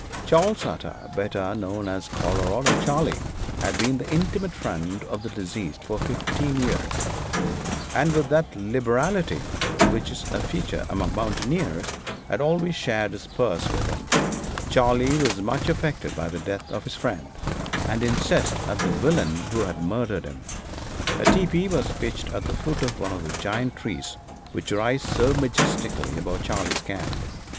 Charles Utter, better known as Colorado Charley, had been the intimate friend of the deceased for fifteen years, and with that liberality which is a feature among mountaineers, had always shared his purse with him. Charley was much affected by the death of his friend, and incensed at the villain who had murdered him. A tepee was pitched at the foot of one of the giant trees which rise so majestically above Charley's camp.